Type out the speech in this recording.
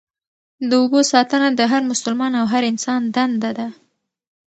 د اوبو ساتنه د هر مسلمان او هر انسان دنده ده.